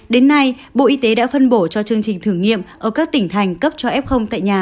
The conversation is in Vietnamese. đến nay bộ y tế đã phân bổ cho chương trình thử nghiệm ở các tỉnh thành cấp cho f tại nhà